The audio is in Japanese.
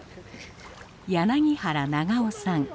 柳原長男さん。